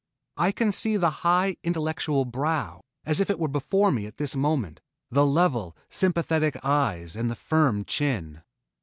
I can see the high intellectual brow as if it were before me at this moment the level, sympathetic eyes and the firm chin.